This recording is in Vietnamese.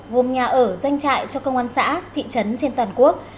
gồm nhà ở doanh trại cho công an xã thị trấn trên toàn quốc